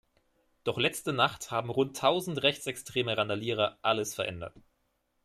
Doch letzte Nacht haben rund tausend rechtsextreme Randalierer alles verändert.